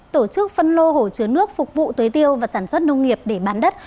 tổ chức phân lô hổ chứa nước phục vụ tuế tiêu và sản xuất nông nghiệp để bán đất